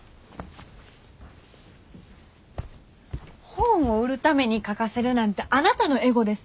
本を売るために書かせるなんてあなたのエゴです。